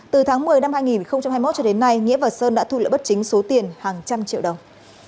từ tháng một mươi năm hai nghìn hai mươi một cho đến nay nghĩa và sơn đã thu lỡ bất chính số tiền hàng trăm triệu đồng